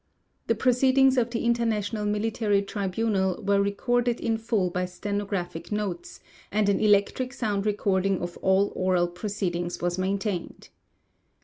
The proceedings of the International Military Tribunal were recorded in full by stenographic notes, and an electric sound recording of all oral proceedings was maintained.